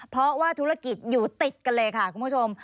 เพราะว่าธุรกิจอยู่ติดกันเลยค่ะคุณผู้ชม